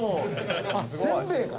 あっせんべいか。